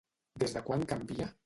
Des de quan canvia?